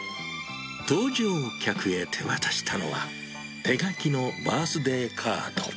搭乗客へ手渡したのは、手書きのバースデーカード。